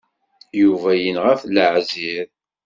Yuba yenɣa-t leɛziṛ.